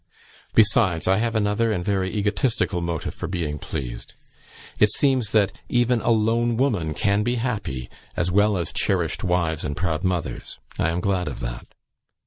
Besides, I have another and very egotistical motive for being pleased; it seems that even 'a lone woman' can be happy, as well as cherished wives and proud mothers. I am glad of that.